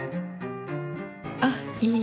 あっいい。